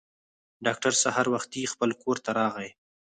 ډاکټر سهار وختي خپل کور ته راغی.